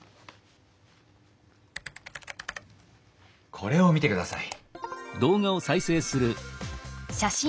これを見てください。